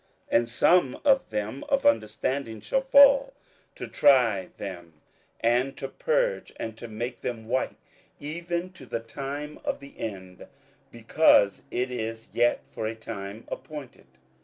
27:011:035 And some of them of understanding shall fall, to try them, and to purge, and to make them white, even to the time of the end: because it is yet for a time appointed.